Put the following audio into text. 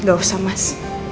gak usah mas